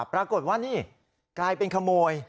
ปรากฏว่านี่กลายเป็นขโมย